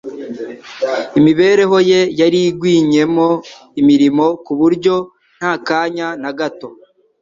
Imibereho ye yari igwinyemo imirimo ku buryo nta kanya na gato